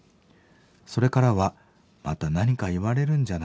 それからはまた何か言われるんじゃないか。